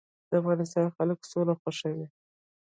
د افغانستان خلک سوله خوښوي